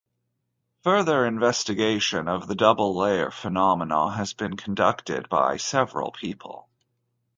Further investigation of the double layer phenomenon has been conducted by several people.